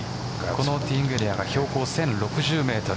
このティーイングエリアは標高１０６０メートル。